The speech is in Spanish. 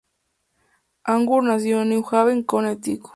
Augur nació en New Haven, Connecticut.